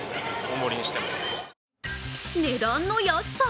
値段の安さ！